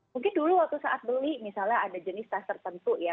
mungkin dulu waktu saat beli misalnya ada jenis tas tertentu ya